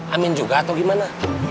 amin juga atau gimana